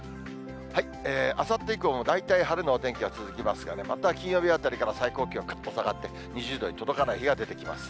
あさって以降も大体晴れのお天気が続きますがね、また金曜日あたりから最高気温ぐっと下がって、２０度に届かない日が出てきます。